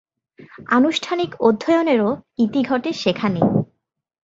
আনুষ্ঠানিক অধ্যয়নেরও ইতি ঘটে সেখানেই।